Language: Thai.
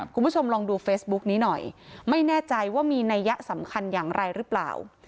คุณผู้ชมลองดูเฟซบุ๊กนี้หน่อยไม่แน่ใจว่ามีนัยยะสำคัญอย่างไรหรือเปล่า